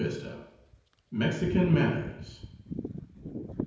MEXICAN MANNERS.